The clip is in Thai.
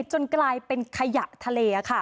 จนกลายเป็นขยะทะเลค่ะ